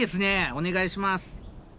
お願いします。